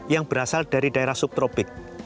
yang berasal dari daerah subtropik